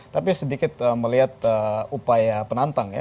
tapi sedikit melihat upaya penantang ya